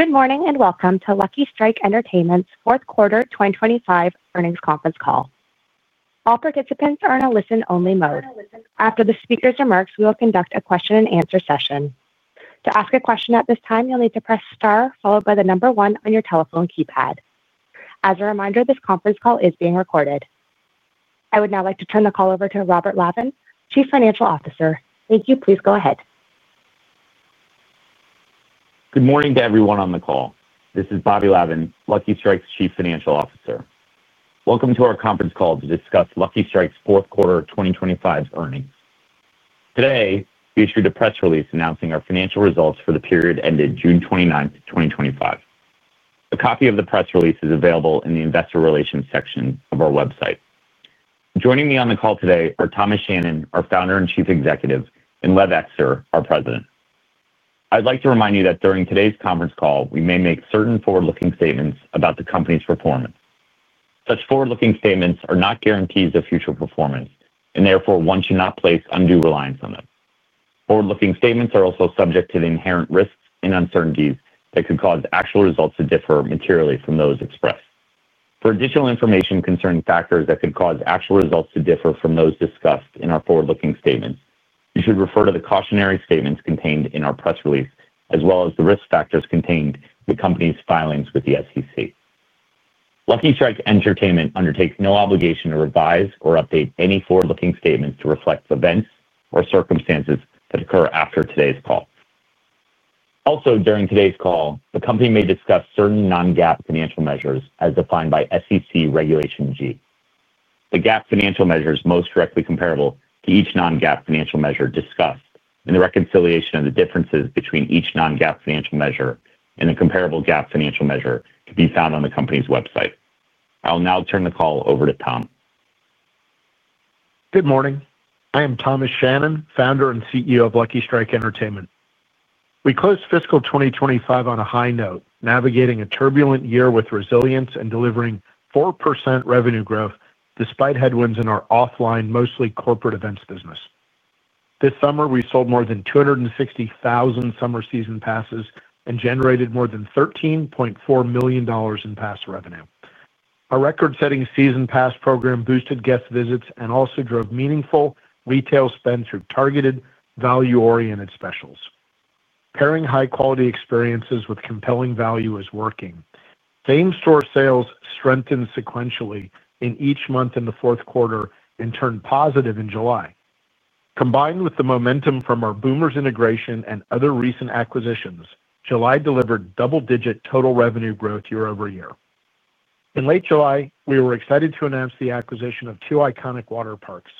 Good morning and welcome to Lucky Strike Entertainment's Fourth Quarter 2025 Earnings Conference Call. All participants are in a listen-only mode. After the speaker's remarks, we will conduct a question-and-answer session. To ask a question at this time, you'll need to press star, followed by the number one on your telephone keypad. As a reminder, this conference call is being recorded. I would now like to turn the call over to Bobby Lavan, Chief Financial Officer. Thank you. Please go ahead. Good morning to everyone on the call. This is Bobby Lavan, Lucky Strike's Chief Financial Officer. Welcome to our conference call to discuss Lucky Strike's Fourth Quarter 2025 Earnings. Today, we issued a press release announcing our financial results for the period ended June 29, 2025. A copy of the press release is available in the investor relations section of our website. Joining me on the call today are Thomas Shannon, our Founder and Chief Executive Officer, and Lev Ekster, our President. I'd like to remind you that during today's conference call, we may make certain forward-looking statements about the company's performance. Such forward-looking statements are not guarantees of future performance, and therefore one should not place undue reliance on them. Forward-looking statements are also subject to the inherent risks and uncertainties that could cause actual results to differ materially from those expressed. For additional information concerning factors that could cause actual results to differ from those discussed in our forward-looking statements, you should refer to the cautionary statements contained in our press release, as well as the risk factors contained in the company's filings with the SEC. Lucky Strike Entertainment undertakes no obligation to revise or update any forward-looking statements to reflect events or circumstances that occur after today's call. Also, during today's call, the company may discuss certain non-GAAP financial measures as defined by SEC Regulation G. The GAAP financial measures most directly comparable to each non-GAAP financial measure discussed, and the reconciliation of the differences between each non-GAAP financial measure and the comparable GAAP financial measure can be found on the company's website. I will now turn the call over to Tom. Good morning. I am Thomas Shannon, Founder and CEO of Lucky Strike Entertainment. We closed fiscal 2025 on a high note, navigating a turbulent year with resilience and delivering 4% revenue growth despite headwinds in our offline, mostly corporate events business. This summer, we sold more than 260,000 summer season passes and generated more than $13.4 million in pass revenue. Our record-setting summer season pass program boosted guest visits and also drove meaningful retail spend through targeted, value-oriented specials. Pairing high-quality experiences with compelling value is working. Fame store sales strengthened sequentially in each month in the fourth quarter and turned positive in July. Combined with the momentum from our Lucky Strike Entertainment integration and other recent acquisitions, July delivered double-digit total revenue growth year-over-year. In late July, we were excited to announce the acquisition of two iconic water parks: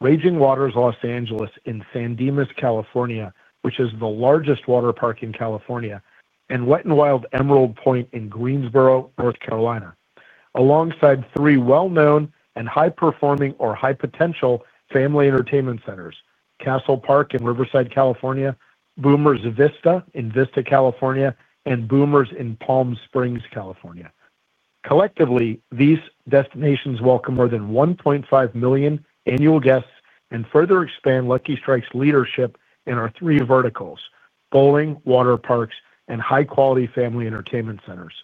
Raging Waters Los Angeles in San Dimas, California, which is the largest water park in California, and Wet 'n Wild Emerald Pointe in Greensboro, North Carolina, alongside three well-known and high-performing or high-potential family entertainment centers: Castle Park in Riverside, California, Boomers Vista in Vista, California, and Boomers in Palm Springs, California. Collectively, these destinations welcome more than 1.5 million annual guests and further expand Lucky Strike's leadership in our three verticals: bowling, water parks, and high-quality family entertainment centers.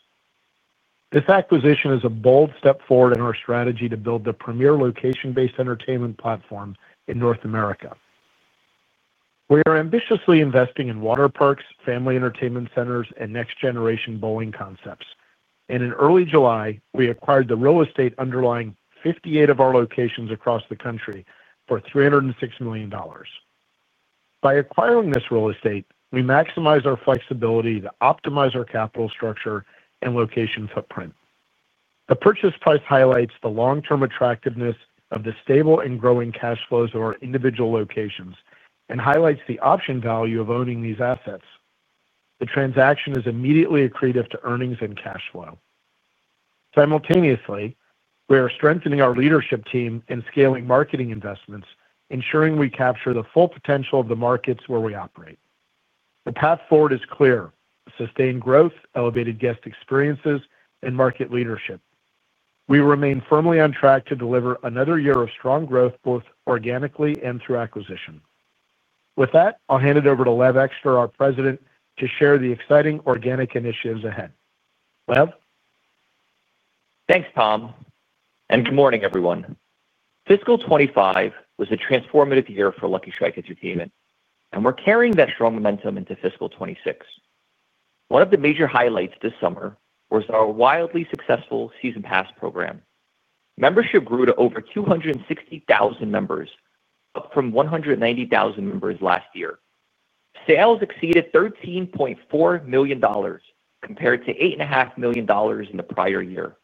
This acquisition is a bold step forward in our strategy to build the premier location-based entertainment platform in North America. We are ambitiously investing in water parks, family entertainment centers, and next-generation bowling concepts. In early July, we acquired the real estate underlying 58 of our locations across the country for $306 million. By acquiring this real estate, we maximized our flexibility to optimize our capital structure and location footprint. The purchase price highlights the long-term attractiveness of the stable and growing cash flows of our individual locations and highlights the option value of owning these assets. The transaction is immediately accretive to earnings and cash flow. Simultaneously, we are strengthening our leadership team and scaling marketing investments, ensuring we capture the full potential of the markets where we operate. The path forward is clear: sustained growth, elevated guest experiences, and market leadership. We remain firmly on track to deliver another year of strong growth, both organically and through acquisition. With that, I'll hand it over to Lev Ekster, our President, to share the exciting organic initiatives ahead. Lev? Thanks, Tom, and good morning, everyone. Fiscal 2025 was a transformative year Lucky Strike Entertainment, and we're carrying that strong momentum into fiscal 2026. One of the major highlights this summer was our wildly successful summer season pass program. Membership grew to over 260,000 members, up from 190,000 members last year. Sales exceeded $13.4 million compared to $8.5 million in the prior year.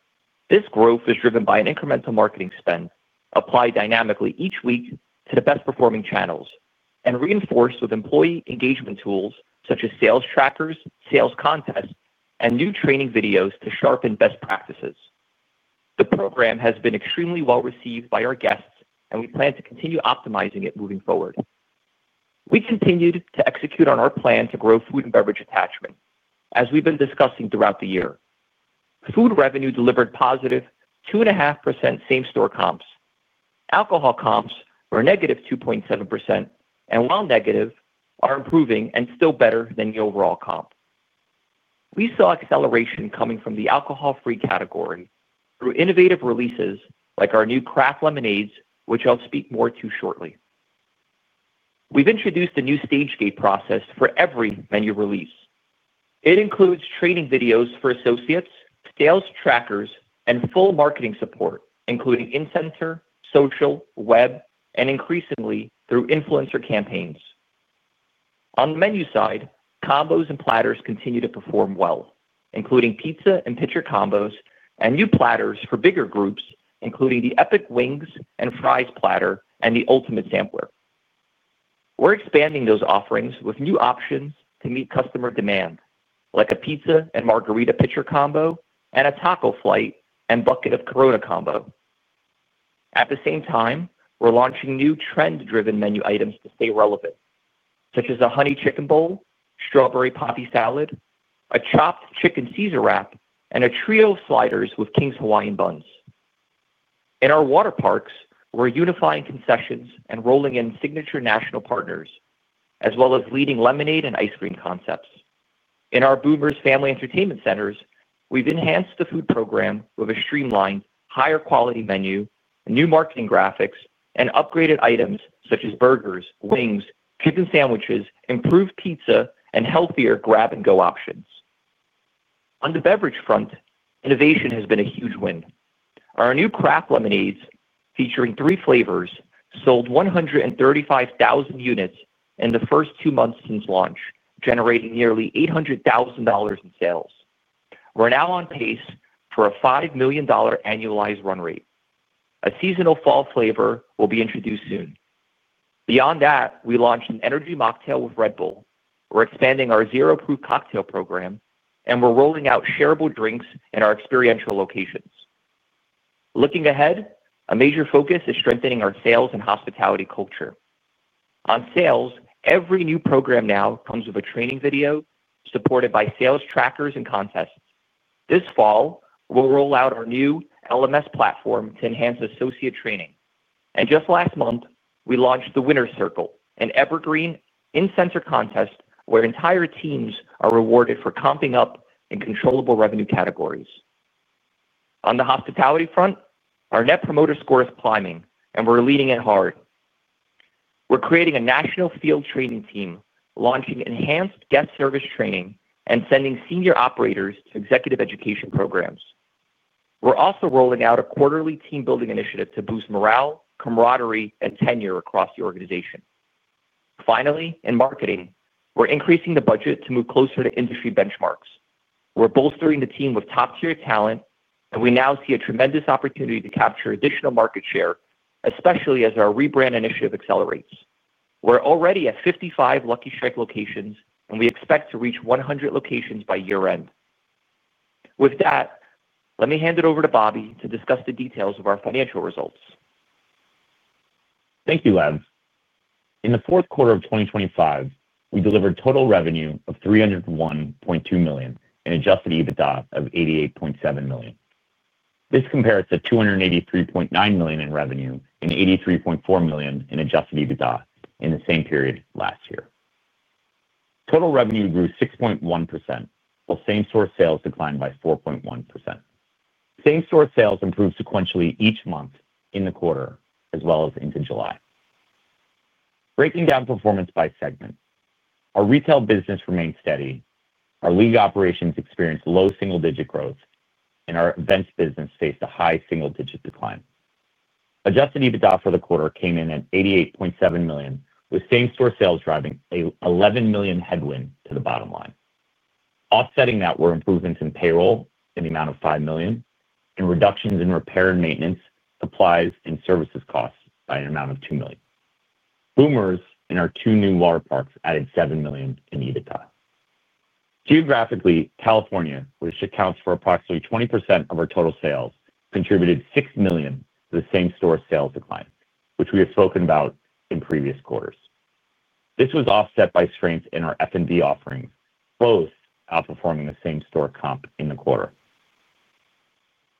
This growth is driven by an incremental marketing spend applied dynamically each week to the best-performing channels and reinforced with employee engagement tools such as sales trackers, sales contests, and new training videos to sharpen best practices. The program has been extremely well received by our guests, and we plan to continue optimizing it moving forward. We continued to execute on our plan to grow food and beverage attachment, as we've been discussing throughout the year. Food revenue delivered +2.5% same-store comps. Alcohol comps were -2.7%, and while negative, are improving and still better than the overall comp. We saw acceleration coming from the alcohol-free category through innovative releases like our new craft lemonade, which I'll speak more to shortly. We've introduced a new stage-gate process for every menu release. It includes training videos for associates, sales trackers, and full marketing support, including in-center, social, web, and increasingly through influencer campaigns. On the menu side, combos and platters continue to perform well, including pizza and pitcher combos, and new platters for bigger groups, including the epic wings and fries platter and the ultimate sampler. We're expanding those offerings with new options to meet customer demand, like a pizza and margarita pitcher combo, and a taco flight and bucket of Corona combo. At the same time, we're launching new trend-driven menu items to stay relevant, such as a honey chicken bowl, strawberry poppy salad, a chopped chicken caesar wrap, and a trio of sliders with King's Hawaiian buns. In our water parks, we're unifying concessions and rolling in signature national partners, as well as leading lemonade and ice cream concepts. In our Boomers family entertainment centers, we've enhanced the food program with a streamlined, higher-quality menu, new marketing graphics, and upgraded items such as burgers, wings, chicken sandwiches, improved pizza, and healthier grab-and-go options. On the beverage front, innovation has been a huge win. Our new craft lemonades, featuring three flavors, sold 135,000 units in the first two months since launch, generating nearly $800,000 in sales. We're now on pace for a $5 million annualized run rate. A seasonal fall flavor will be introduced soon. Beyond that, we launched an energy mocktail with Red Bull. We're expanding our zero-proof cocktail program, and we're rolling out shareable drinks in our experiential locations. Looking ahead, a major focus is strengthening our sales and hospitality culture. On sales, every new program now comes with a training video supported by sales trackers and contests. This fall, we'll roll out our new LMS platform to enhance associate training. Just last month, we launched the Winner's Circle, an evergreen in-center contest where entire teams are rewarded for comping up in controllable revenue categories. On the hospitality front, our net promoter score is climbing, and we're leading it hard. We're creating a national field training team, launching enhanced guest service training, and sending senior operators to executive education programs. We're also rolling out a quarterly team-building initiative to boost morale, camaraderie, and tenure across the organization. Finally, in marketing, we're increasing the budget to move closer to industry benchmarks. We're bolstering the team with top-tier talent, and we now see a tremendous opportunity to capture additional market share, especially as our rebrand initiative accelerates. We're already at 55 Lucky Strike locations, and we expect to reach 100 locations by year-end. With that, let me hand it over to Bobby to discuss the details of our financial results. Thank you, Lance. In the fourth quarter of 2025, we delivered total revenue of $301.2 million and adjusted EBITDA of $88.7 million. This compares to $283.9 million in revenue and $83.4 million in adjusted EBITDA in the same period last year. Total revenue grew 6.1%, while same-store sales declined by 4.1%. Same-store sales improved sequentially each month in the quarter, as well as into July. Breaking down performance by segment, our retail business remained steady, our league operations experienced low single-digit growth, and our events business faced a high single-digit decline. Adjusted EBITDA for the quarter came in at $88.7 million, with same-store sales driving an $11 million headwind to the bottom line. Offsetting that were improvements in payroll in the amount of $5 million and reductions in repair and maintenance, supplies, and services costs by an amount of $2 million. Boomers and our two new water parks added $7 million in EBITDA. Geographically, California, which accounts for approximately 20% of our total sales, contributed $6 million to the same-store sales decline, which we have spoken about in previous quarters. This was offset by strength in our food and beverage offering, both outperforming the same-store comp in the quarter.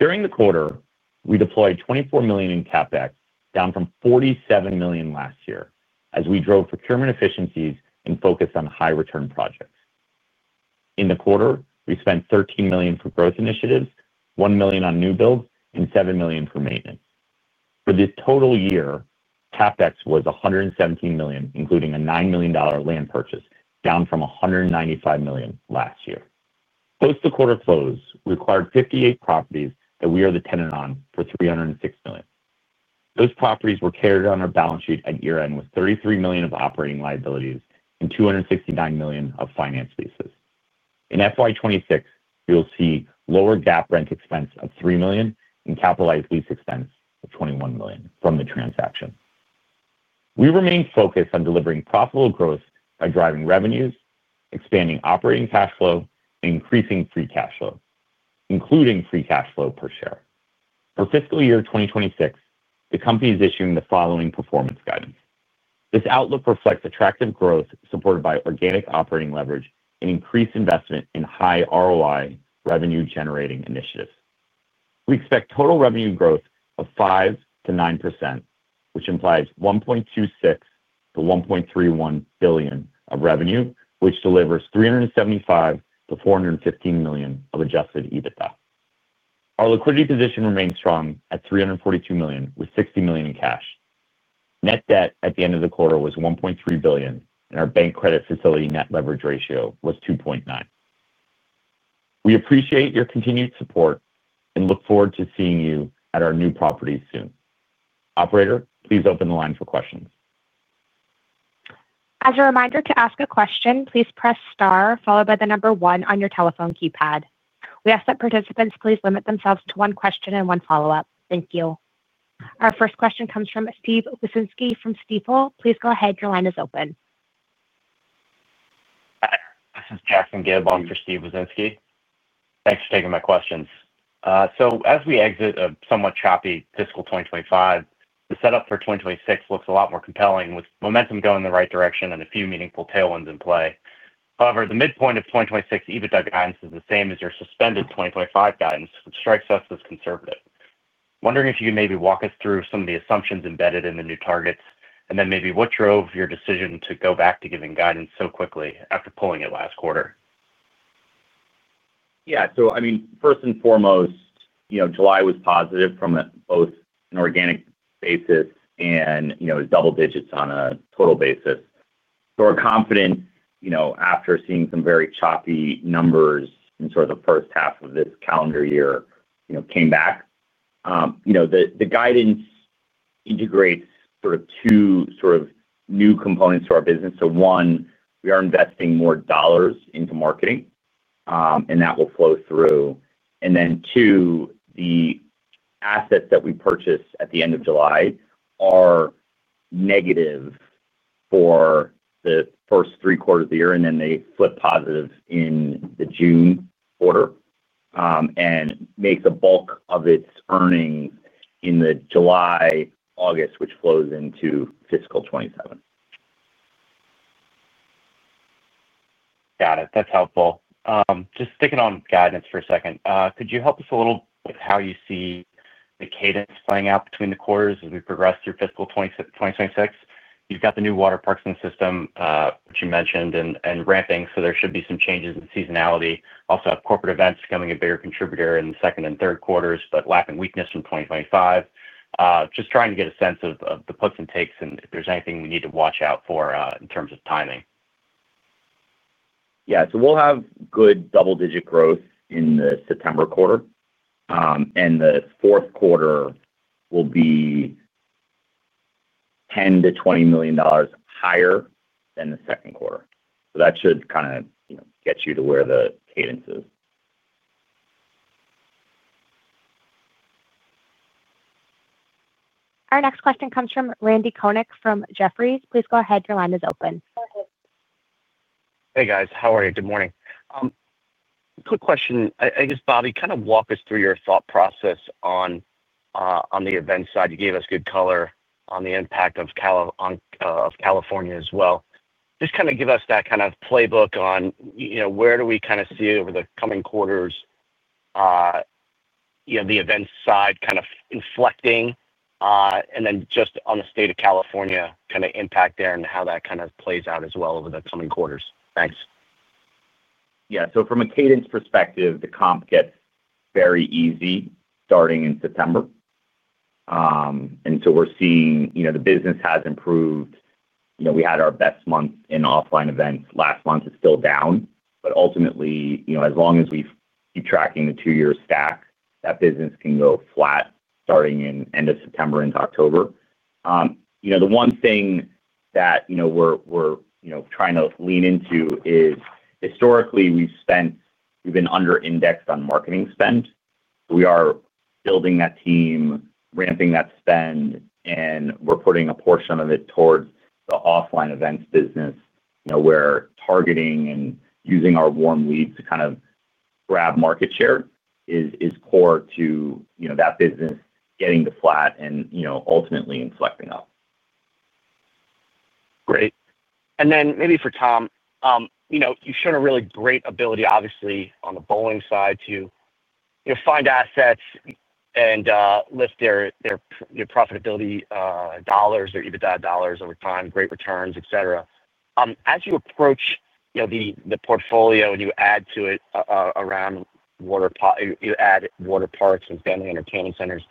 During the quarter, we deployed $24 million in CapEx, down from $47 million last year, as we drove procurement efficiencies and focused on high-return projects. In the quarter, we spent $13 million for growth initiatives, $1 million on new build, and $7 million for maintenance. For this total year, CapEx was $117 million, including a $9 million land purchase, down from $195 million last year. Close to quarter close, we acquired 58 properties that we are the tenant on for $306 million. Those properties were carried on our balance sheet at year-end with $33 million of operating liabilities and $269 million of finance leases. In FY 2026, we will see lower GAAP rent expense of $3 million and capitalized lease expense of $21 million from the transaction. We remain focused on delivering profitable growth by driving revenues, expanding operating cash flow, and increasing free cash flow, including free cash flow per share. For fiscal year 2026, the company is issuing the following performance guidance. This outlook reflects attractive growth supported by organic operating leverage and increased investment in high-ROI revenue-generating initiatives. We expect total revenue growth of 5%-9%, which implies $1.26 billion-$1.31 billion of revenue, which delivers $375 million-$415 million of adjusted EBITDA. Our liquidity position remains strong at $342 million, with $60 million in cash. Net debt at the end of the quarter was $1.3 billion, and our bank credit facility net leverage ratio was 2.9. We appreciate your continued support and look forward to seeing you at our new properties soon. Operator, please open the line for questions. As a reminder to ask a question, please press star followed by the number one on your telephone keypad. We ask that participants please limit themselves to one question and one follow-up. Thank you. Our first question comes from Steve Wieczynski from Stifel. Please go ahead. Your line is open. This is Jackson Gibb on for Steve Wieczynski. Thanks for taking my questions. As we exit a somewhat choppy fiscal 2025, the setup for 2026 looks a lot more compelling, with momentum going in the right direction and a few meaningful tailwinds in play. However, the midpoint of 2026 EBITDA guidance is the same as your suspended 2025 guidance, which strikes us as conservative. Wondering if you could maybe walk us through some of the assumptions embedded in the new targets, and then maybe what drove your decision to go back to giving guidance so quickly after pulling it last quarter? Yeah, so I mean, first and foremost, July was positive from both an organic basis and, you know, double digits on a total basis. We're confident, you know, after seeing some very choppy numbers in sort of the first half of this calendar year, you know, came back. The guidance integrates sort of two sort of new components to our business. One, we are investing more dollars into marketing, and that will flow through. Two, the assets that we purchase at the end of July are negative for the first three quarters of the year, and then they flip positive in the June quarter and make the bulk of its earnings in the July, August, which flows into fiscal 2027. Got it. That's helpful. Just sticking on guidance for a second, could you help us a little with how you see the cadence playing out between the quarters as we progress through fiscal 2026? You've got the new water parks in the system, which you mentioned, and ramping, so there should be some changes in seasonality. Also, have corporate events becoming a bigger contributor in the second and third quarters, but lacking weakness from 2025. Just trying to get a sense of the puts and takes and if there's anything we need to watch out for, in terms of timing. Yeah, we'll have good double-digit growth in the September quarter, and the fourth quarter will be $10 million-$20 million higher than the second quarter. That should kind of, you know, get you to where the cadence is. Our next question comes from Randy Konik from Jefferies. Please go ahead. Your line is open. Hey, guys. How are you? Good morning. Quick question. I guess, Bobby, kind of walk us through your thought process on the event side. You gave us good color on the impact of California as well. Just kind of give us that kind of playbook on, you know, where do we kind of see over the coming quarters, you know, the event side kind of inflecting, and then just on the state of California kind of impact there and how that kind of plays out as well over the coming quarters. Thanks. Yeah, so from a cadence perspective, the comp gets very easy starting in September. We're seeing the business has improved. We had our best month in offline events last month. It's still down, but ultimately, as long as we keep tracking the two-year stack, that business can go flat starting in the end of September into October. The one thing that we're trying to lean into is historically we've been under-indexed on marketing spend. We are building that team, ramping that spend, and we're putting a portion of it towards the offline events business, where targeting and using our warm leads to kind of grab market share is core to that business getting to flat and ultimately inflecting up. Great. Maybe for Tom, you've shown a really great ability, obviously, on the bowling side to find assets and lift their profitability dollars, their EBITDA dollars over time, great returns, etc. As you approach the portfolio and you add to it, around water, you add water parks and family entertainment centers,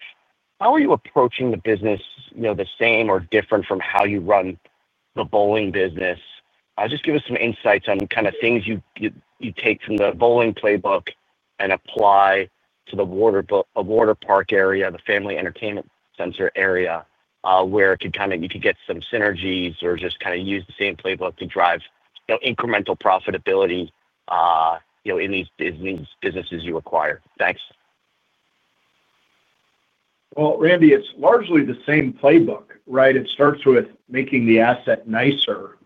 how are you approaching the business, the same or different from how you run the bowling business? Just give us some insights on things you take from the bowling playbook and apply to the water park area, the family entertainment center area, where you could get some synergies or just use the same playbook to drive incremental profitability in these businesses you acquire. Thanks. Randy, it's largely the same playbook, right? It starts with making the asset nicer.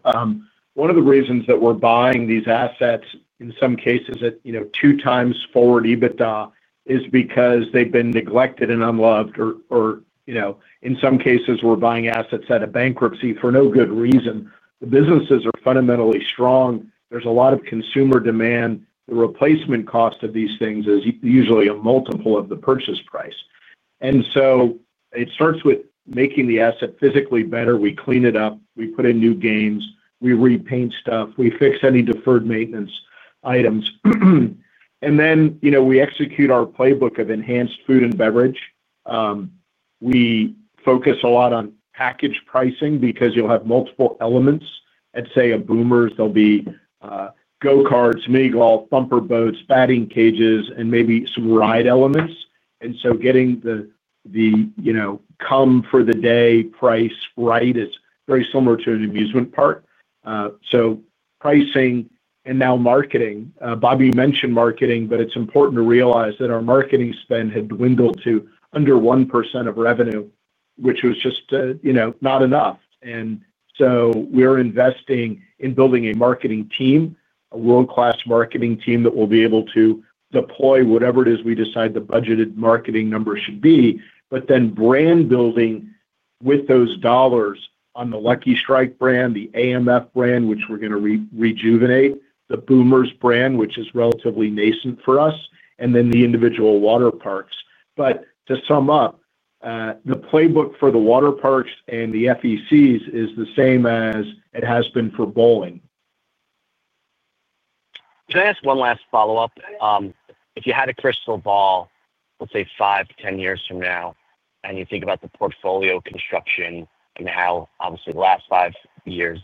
One of the reasons that we're buying these assets, in some cases at, you know, 2x forward EBITDA, is because they've been neglected and unloved or, you know, in some cases we're buying assets at a bankruptcy for no good reason. The businesses are fundamentally strong. There's a lot of consumer demand. The replacement cost of these things is usually a multiple of the purchase price. It starts with making the asset physically better. We clean it up. We put in new games. We repaint stuff. We fix any deferred maintenance items. Then, you know, we execute our playbook of enhanced food and beverage. We focus a lot on package pricing because you'll have multiple elements. I'd say at Boomers, there'll be go-karts, mini-golf, bumper boats, batting cages, and maybe some ride elements. Getting the, you know, come-for-the-day price right is very similar to an amusement park. Pricing and now marketing. Bobby, you mentioned marketing, but it's important to realize that our marketing spend had dwindled to under 1% of revenue, which was just, you know, not enough. We are investing in building a marketing team, a world-class marketing team that will be able to deploy whatever it is we decide the budgeted marketing number should be, but then brand building with those dollars on the Lucky Strike brand, the AMF brand, which we're going to rejuvenate, the Boomers brand, which is relatively nascent for us, and then the individual water parks. To sum up, the playbook for the water parks and the FECs is the same as it has been for bowling. Can I ask one last follow-up? If you had a crystal ball, let's say five to 10 years from now, and you think about the portfolio construction and how obviously the last five years,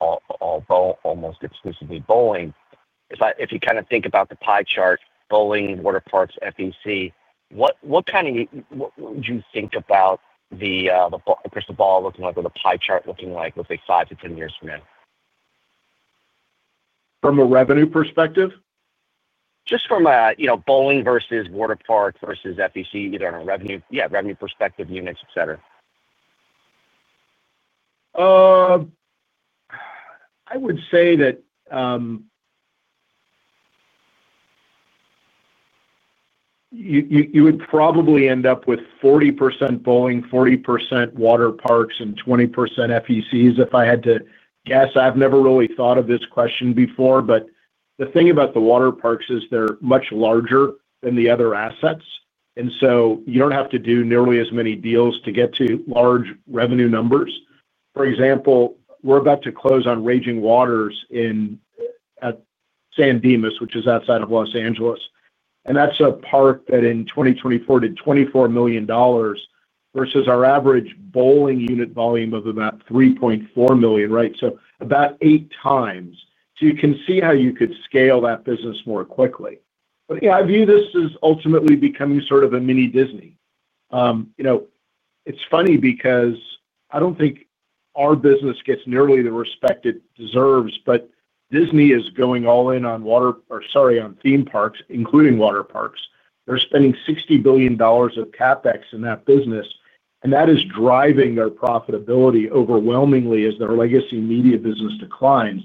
almost exclusively bowling. If you kind of think about the pie chart, bowling, water parks, FEC, what would you think about the crystal ball looking like or the pie chart looking like, let's say five to 10 years from now? From a revenue perspective? Just from a bowling versus water park versus FEC, either on a revenue, yeah, revenue perspective, units, et cetera. I would say that you would probably end up with 40% bowling, 40% water parks, and 20% FECs if I had to guess. I've never really thought of this question before, but the thing about the water parks is they're much larger than the other assets, and you don't have to do nearly as many deals to get to large revenue numbers. For example, we're about to close on Raging Waters in San Dimas, which is outside of Los Angeles. That's a park that in 2024 did $24 million versus our average bowling unit volume of about $3.4 million, right? So about 8x. You can see how you could scale that business more quickly. I view this as ultimately becoming sort of a mini Disney. It's funny because I don't think our business gets nearly the respect it deserves, but Disney is going all in on theme parks, including water parks. They're spending $60 billion of CapEx in that business, and that is driving their profitability overwhelmingly as their legacy media business declines.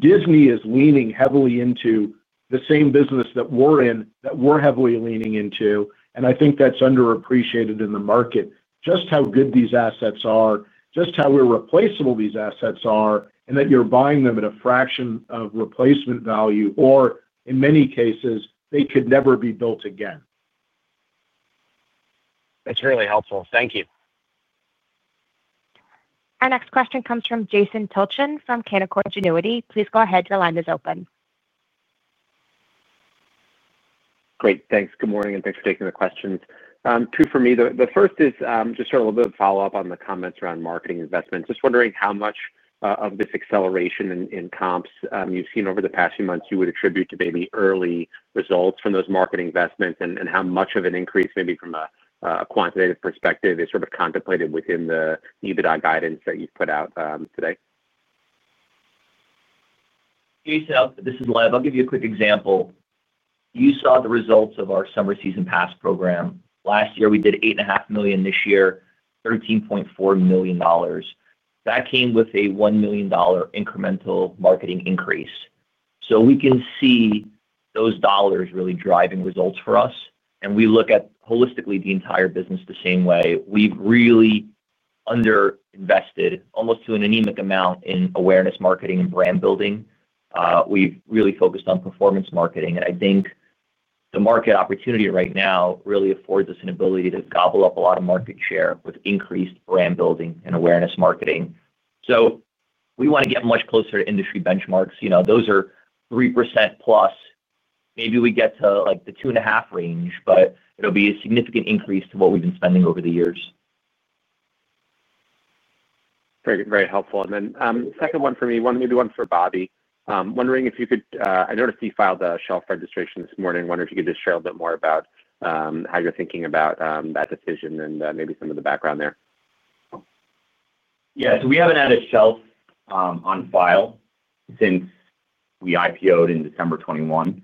Disney is leaning heavily into the same business that we're in, that we're heavily leaning into, and I think that's underappreciated in the market. Just how good these assets are, just how irreplaceable these assets are, and that you're buying them at a fraction of replacement value, or in many cases, they could never be built again. That's really helpful. Thank you. Our next question comes from Jason Tilchen from Canaccord Genuity. Please go ahead. Your line is open. Great. Thanks. Good morning, and thanks for taking the questions. Two for me. The first is just sort of a little bit of follow-up on the comments around marketing investments. Just wondering how much of this acceleration in comps you've seen over the past few months you would attribute to maybe early results from those marketing investments, and how much of an increase maybe from a quantitative perspective is sort of contemplated within the EBITDA guidance that you've put out today? This is Lev. I'll give you a quick example. You saw the results of our summer season pass program. Last year, we did $8.5 million. This year, $13.4 million. That came with a $1 million incremental marketing increase. We can see those dollars really driving results for us. We look at holistically the entire business the same way. We've really underinvested almost to an anemic amount in awareness marketing and brand building. We've really focused on performance marketing, and I think the market opportunity right now really affords us an ability to gobble up a lot of market share with increased brand building and awareness marketing. We want to get much closer to industry benchmarks. You know, those are 3%+. Maybe we get to like the 2.5% range, but it'll be a significant increase to what we've been spending over the years. Very, very helpful. The second one for me, maybe one for Bobby. Wondering if you could, I noticed you filed a shelf registration this morning. Wonder if you could just share a little bit more about how you're thinking about that decision and maybe some of the background there. Yeah, we haven't had a shelf on file since we IPO'd in December 2021.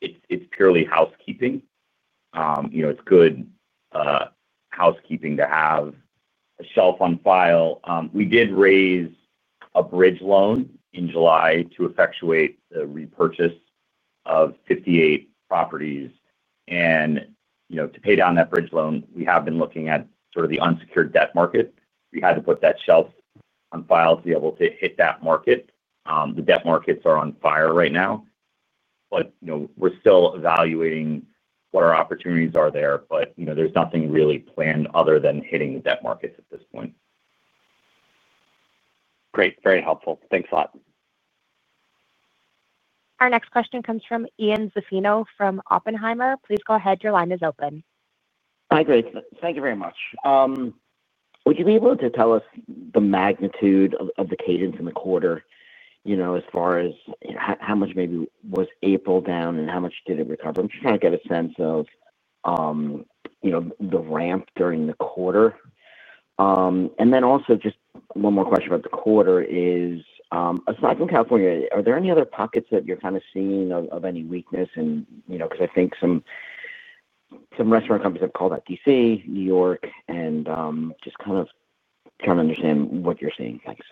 It's purely housekeeping. It's good housekeeping to have a shelf on file. We did raise a bridge loan in July to effectuate the repurchase of 58 properties. To pay down that bridge loan, we have been looking at the unsecured debt market. We had to put that shelf on file to be able to hit that market. The debt markets are on fire right now. We're still evaluating what our opportunities are there. There's nothing really planned other than hitting the debt markets at this point. Great. Very helpful. Thanks a lot. Our next question comes from Ian Zaffino from Oppenheimer. Please go ahead. Your line is open. Hi, Grace. Thank you very much. Would you be able to tell us the magnitude of the cadence in the quarter, you know, as far as how much maybe was April down and how much did it recover? I'm just trying to get a sense of the ramp during the quarter. Also, just one more question about the quarter is, aside from California, are there any other pockets that you're kind of seeing of any weakness? I think some restaurant companies have called out D.C., New York, and just kind of trying to understand what you're seeing. Thanks.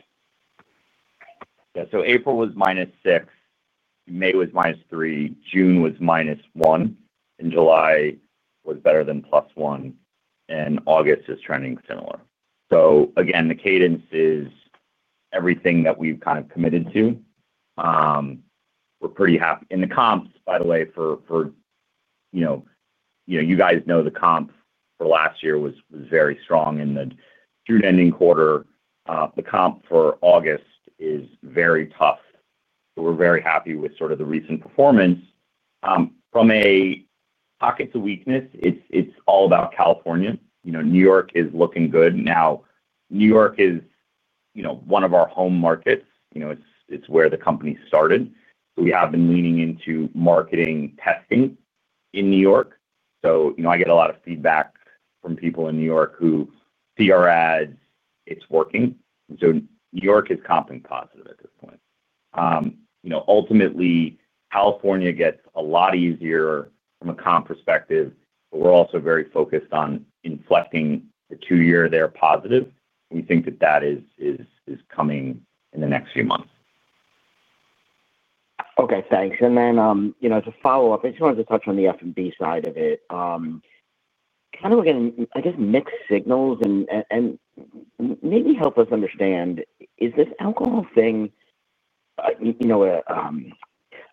Yeah, so April was -6%. May was -3%. June was -1%. July was better than +1%, and August is trending similar. The cadence is everything that we've kind of committed to. We're pretty happy. The comps, by the way, for, you know, you guys know the comp for last year was very strong in the June ending quarter. The comp for August is very tough. We're very happy with sort of the recent performance. From a pockets of weakness, it's all about California. New York is looking good. Now, New York is, you know, one of our home markets. It's where the company started. We have been leaning into marketing testing in New York. I get a lot of feedback from people in New York who see our ads. It's working. New York is comping positive at this point. Ultimately, California gets a lot easier from a comp perspective, but we're also very focused on inflecting the two-year there positive. We think that that is coming in the next few months. Okay, thanks. To follow up, I just wanted to touch on the F&B side of it. Kind of again, I guess mixed signals and maybe help us understand, is this alcohol thing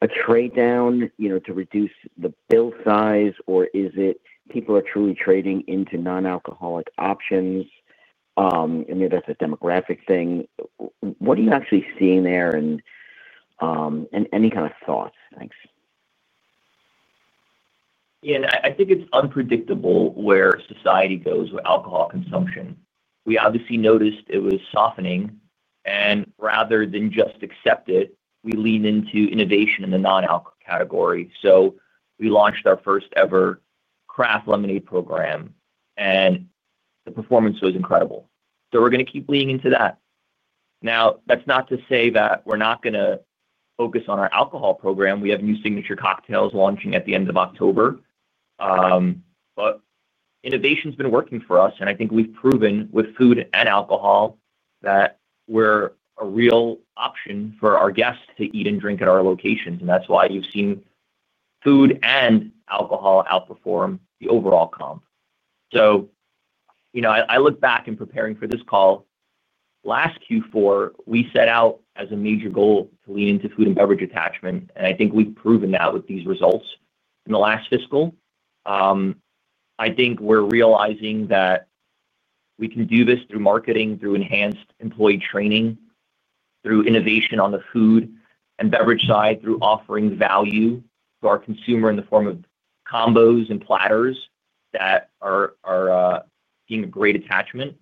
a trade down to reduce the bill size, or is it people are truly trading into non-alcoholic options? I mean, that's a demographic thing. What are you actually seeing there and any kind of thoughts? Thanks. Yeah, and I think it's unpredictable where society goes with alcohol consumption. We obviously noticed it was softening, and rather than just accept it, we leaned into innovation in the non-alcoholic category. We launched our first-ever craft lemonade program, and the performance was incredible. We're going to keep leaning into that. That's not to say that we're not going to focus on our alcohol program. We have new signature cocktails launching at the end of October. Innovation's been working for us, and I think we've proven with food and alcohol that we're a real option for our guests to eat and drink at our locations. That's why you've seen food and alcohol outperform the overall comp. I look back in preparing for this call. Last Q4, we set out as a major goal to lean into food and beverage attachment, and I think we've proven that with these results in the last fiscal. I think we're realizing that we can do this through marketing, through enhanced employee training, through innovation on the food and beverage side, through offering value to our consumer in the form of combos and platters that are being a great attachment.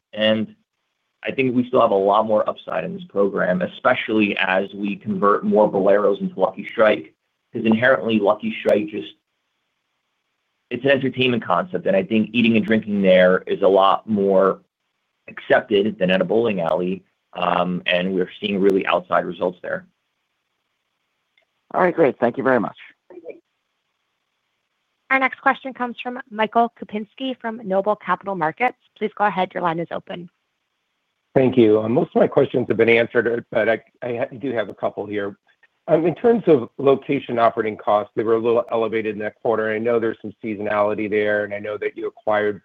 I think we still have a lot more upside in this program, especially as we convert more Bowlero locations into Lucky Strike. Inherently, Lucky Strike is an entertainment concept, and I think eating and drinking there is a lot more accepted than at a bowling alley. We're seeing really outside results there. All right, great. Thank you very much. Our next question comes from Michael Kupinski from Noble Capital Markets. Please go ahead. Your line is open. Thank you. Most of my questions have been answered, but I do have a couple here. In terms of location operating costs, they were a little elevated in that quarter. I know there's some seasonality there, and I know that you acquired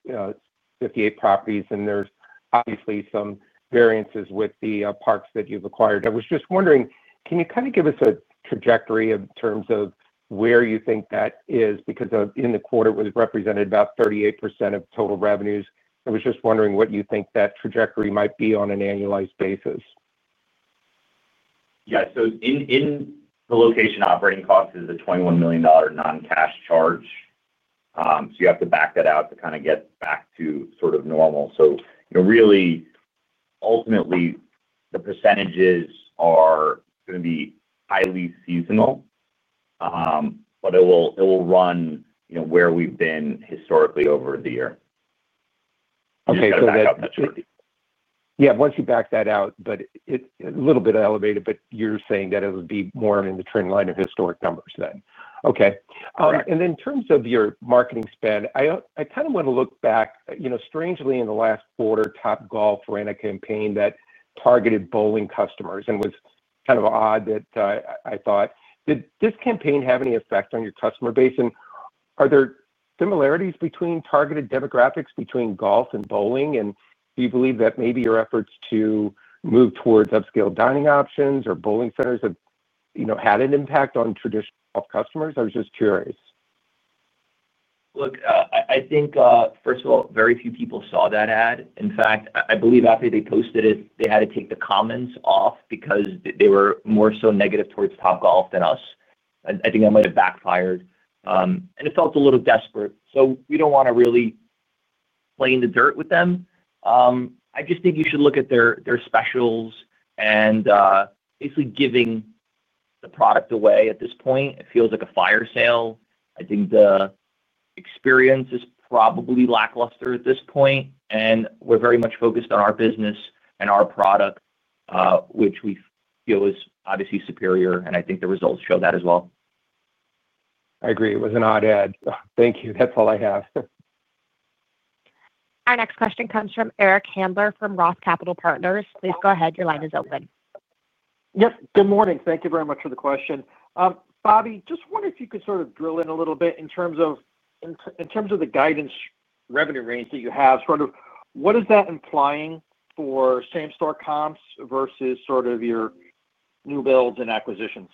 58 properties, and there's obviously some variances with the parks that you've acquired. I was just wondering, can you kind of give us a trajectory in terms of where you think that is? In the quarter, it was represented about 38% of total revenues. I was just wondering what you think that trajectory might be on an annualized basis. Yeah, in the location operating costs, it's a $21 million non-cash charge. You have to back that out to get back to sort of normal. Really, ultimately, the percentages are going to be highly seasonal, but it will run where we've been historically over the year. Okay, got that. That's pretty good. Yeah, once you back that out, it's a little bit elevated, but you're saying that it would be more in the trend line of historic numbers then. Okay. In terms of your marketing spend, I kind of want to look back, you know, strangely in the last quarter, Topgolf ran a campaign that targeted bowling customers, and it was kind of odd that I thought. Did this campaign have any effect on your customer base? Are there similarities between targeted demographics between golf and bowling? Do you believe that maybe your efforts to move towards upscaled dining options or bowling centers have had an impact on traditional customers? I was just curious. Look, I think, first of all, very few people saw that ad. In fact, I believe after they posted it, they had to take the comments off because they were more so negative towards Topgolf than us. I think that might have backfired. It felt a little desperate. We don't want to really play in the dirt with them. I just think you should look at their specials and basically giving the product away at this point. It feels like a fire sale. I think the experience is probably lackluster at this point. We're very much focused on our business and our product, which we feel is obviously superior. I think the results show that as well. I agree. It was an odd ad. Thank you. That's all I have. Our next question comes from Eric Handler from Roth Capital Partners. Please go ahead. Your line is open. Good morning. Thank you very much for the question. Bobby, just wonder if you could sort of drill in a little bit in terms of the guidance revenue range that you have. What is that implying for same-store comps versus your new builds and acquisitions?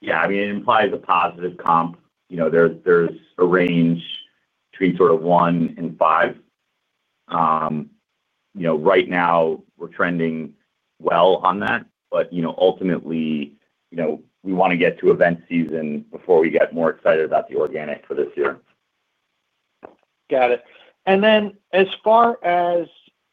Yeah, I mean, it implies a positive comp. There's a range between sort of one and five. Right now, we're trending well on that. Ultimately, we want to get to event season before we get more excited about the organic for this year. Got it. As far as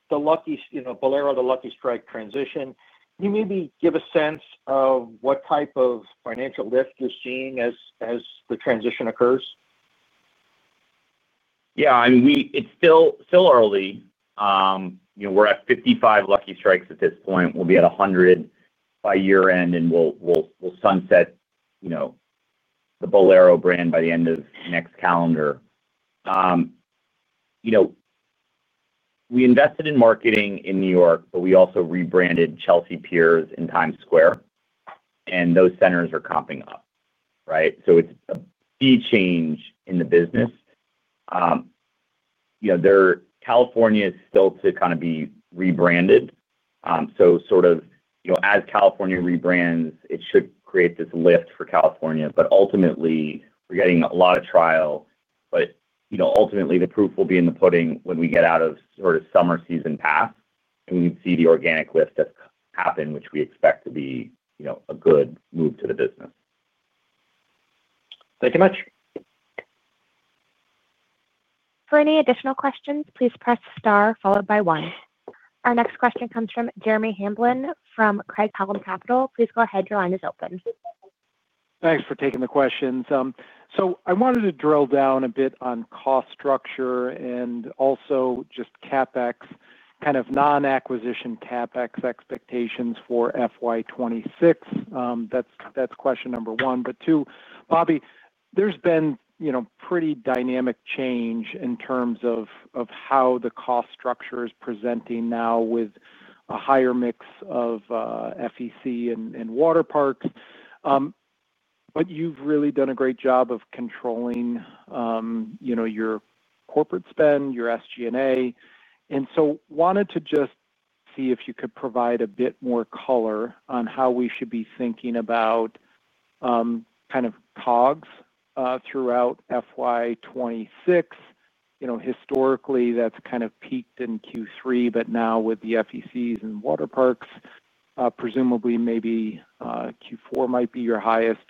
the Bowlero to Lucky Strike transition, can you maybe give a sense of what type of financial lift you're seeing as the transition occurs? Yeah, I mean, it's still early. You know, we're at 55 Lucky Strikes at this point. We'll be at 100 by year-end, and we'll sunset the Bowlero brand by the end of next calendar. You know, we invested in marketing in New York, but we also rebranded Chelsea Piers and Times Square, and those centers are comping up, right? It's a key change in the business. California is still to kind of be rebranded. As California rebrands, it should create this lift for California. Ultimately, we're getting a lot of trial. Ultimately, the proof will be in the pudding when we get out of summer season pass, and we see the organic lift that's happened, which we expect to be a good move to the business. Thank you very much. For any additional questions, please press star followed by one. Our next question comes from Jeremy Hamblin from Craig-Hallum Capital. Please go ahead. Your line is open. Thanks for taking the questions. I wanted to drill down a bit on cost structure and also just CapEx, kind of non-acquisition CapEx expectations for FY 2026. That's question number one. Two, Bobby, there's been a pretty dynamic change in terms of how the cost structure is presenting now with a higher mix of FEC and water parks. You've really done a great job of controlling your corporate spend, your SG&A. I wanted to just see if you could provide a bit more color on how we should be thinking about kind of COGS throughout FY 2026. Historically, that's kind of peaked in Q3, but now with the FECs and water parks, presumably maybe Q4 might be your highest.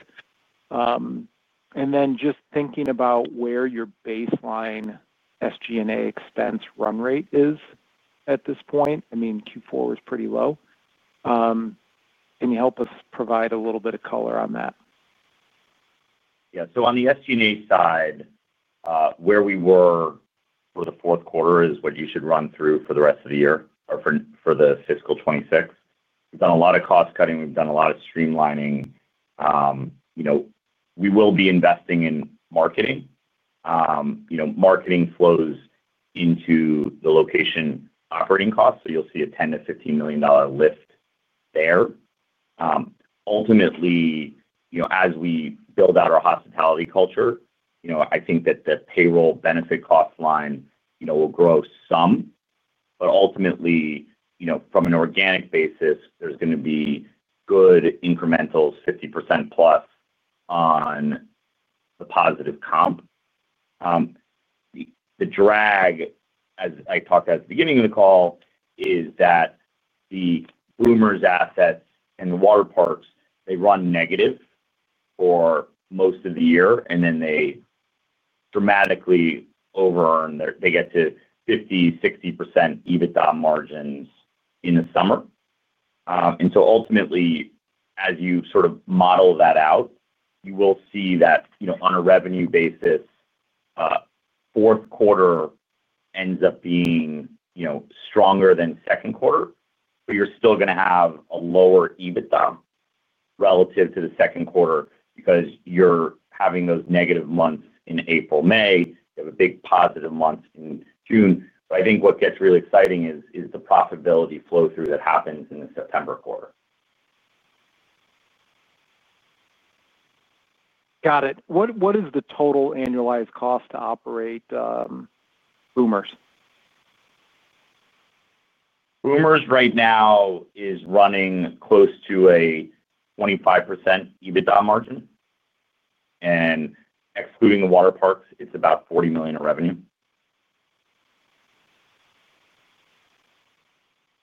Just thinking about where your baseline SG&A expense run rate is at this point. Q4 is pretty low. Can you help us provide a little bit of color on that? Yeah, so on the SG&A side, where we were for the fourth quarter is what you should run through for the rest of the year or for fiscal 2026. We've done a lot of cost cutting. We've done a lot of streamlining. You know, we will be investing in marketing. You know, marketing flows into the location operating costs. You'll see a $10 million-$15 million lift there. Ultimately, as we build out our hospitality culture, I think that the payroll benefit cost line will grow some. Ultimately, from an organic basis, there's going to be good incrementals, 50%+ on the positive comp. The drag, as I talked about at the beginning of the call, is that the Boomers assets and the water parks, they run negative for most of the year, and then they dramatically over-earn. They get to 50%, 60% EBITDA margins in the summer. Ultimately, as you sort of model that out, you will see that on a revenue basis, fourth quarter ends up being stronger than second quarter, but you're still going to have a lower EBITDA relative to the second quarter because you're having those negative months in April, May. You have a big positive month in June. I think what gets really exciting is the profitability flow-through that happens in the September quarter. Got it. What is the total annualized cost to operate Boomers? Boomers right now is running close to a 25% EBITDA margin. Excluding the water parks, it's about $40 million in revenue.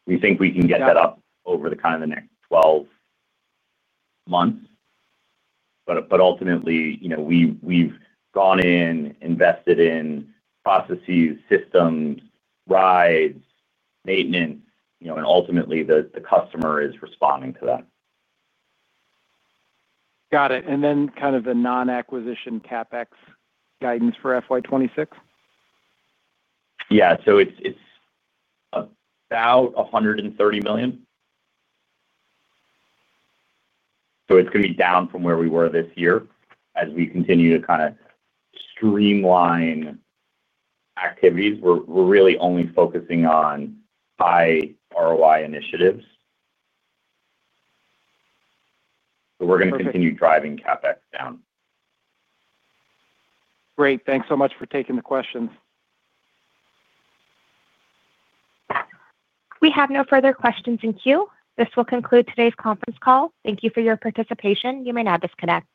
We think we can get that up over the next 12 months. Ultimately, we've gone in, invested in processes, systems, rides, maintenance, and ultimately, the customer is responding to that. Got it. Kind of the non-acquisition CapEx guidance for FY 2026? Yeah, so it's about $130 million. It's going to be down from where we were this year as we continue to kind of streamline activities. We're really only focusing on high-ROI initiatives. We're going to continue driving CapEx down. Great. Thanks so much for taking the questions. We have no further questions in queue. This will conclude today's conference call. Thank you for your participation. You may now disconnect.